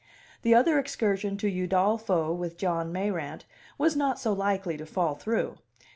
The other excursion to Udolpho with John Mayrant was not so likely to fall through.